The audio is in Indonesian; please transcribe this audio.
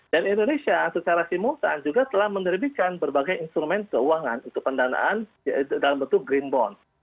dan indonesia secara simultan juga telah menerbitkan berbagai instrumen keuangan untuk pendanaan dalam bentuk green bond